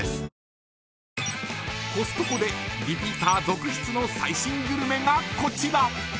コストコでリピーター続出の最新グルメがこちら。